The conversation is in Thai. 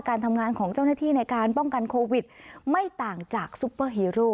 การทำงานของเจ้าหน้าที่ในการป้องกันโควิดไม่ต่างจากซุปเปอร์ฮีโร่